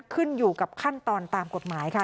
ขึ้นอยู่กับขั้นตอนตามกฎหมายค่ะ